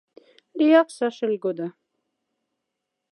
Лиякс ашель кода.